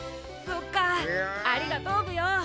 そうかありがとうブヨ。